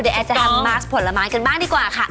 เดี๋ยวแอร์จะทำมาร์คผลไม้กันบ้างดีกว่าค่ะ